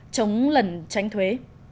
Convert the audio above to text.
chống lần tránh thuế